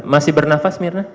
masih bernafas mirna